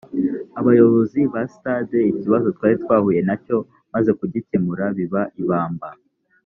abayobozi ba sitade ikibazo twari twahuye na cyo maze kugikemura biba ibamba